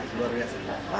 orang baik luar biasa